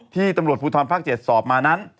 ตำรวจภูทรภาค๗สอบมานั้น